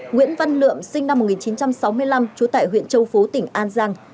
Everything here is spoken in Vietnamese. nguyễn văn lượm sinh năm một nghìn chín trăm sáu mươi năm trú tại huyện châu phú tỉnh an giang